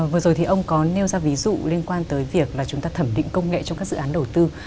vừa rồi thì ông có nêu ra ví dụ liên quan tới việc là chúng ta thẩm định công nghệ trong các dự án đầu tư